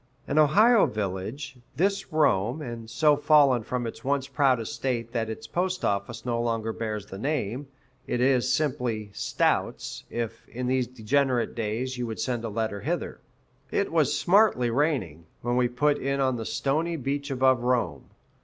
An Ohio village, this Rome, and so fallen from its once proud estate that its postoffice no longer bears the name it is simply "Stout's," if, in these degenerate days, you would send a letter hither. It was smartly raining, when we put in on the stony beach above Rome.